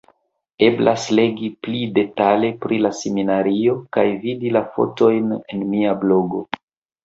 Eblas legi pli detale pri la seminario kaj vidi la fotojn en mia blogo.